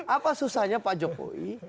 apa susahnya pak jokowi